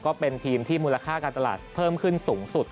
ก็เป็นทีมที่มูลค่าการตลาดเพิ่มขึ้นสูงสุด